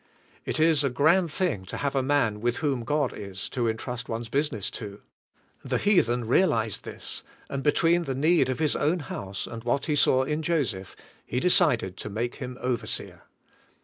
It is a grand thing to have a man with whom God is, to entrust one's business to. The heathen realized this, and between the need of his own house and what he saw in Joseph, he decided to make him overseer.